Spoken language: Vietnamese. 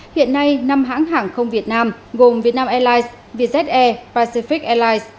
hiện nay năm hãng hàng không việt nam gồm vietnam airlines vietjet air pacific airlines